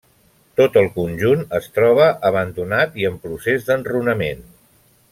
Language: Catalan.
Tot el conjunt es troba abandonat i en procés d'enrunament.